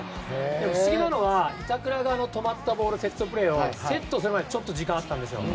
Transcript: でも不思議なのは板倉が、止まったボールセットプレーをセットする前にちょっと時間あったんですよ。